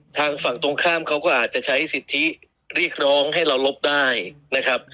ทางฝั่งตรงข้ามเขาก็อาจจะใช้สิทธิเรียกร้องให้เราลบได้นะครับ